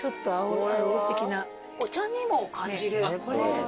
お茶にも感じる。